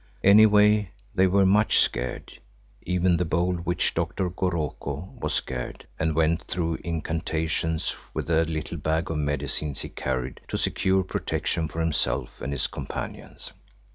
Any way they were much scared; even the bold witch doctor, Goroko, was scared and went through incantations with the little bag of medicines he carried to secure protection for himself and his companions.